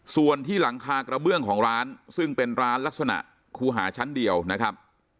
ส่วนที่หลังคากระเบื้องของร้านซึ่งเป็นร้านลักษณะคูหาชั้นเดียวนะครับ